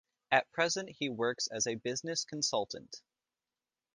At present he works as a business consultant.